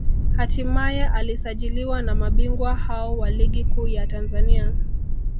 hatimaye alisajiliwa na mabingwa hao wa Ligi Kuu ya Tanzania